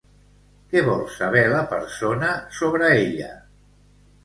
Què vol saber la persona sobre ella?